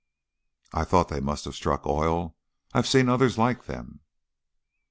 "I thought they must have struck oil. I've seen others like them."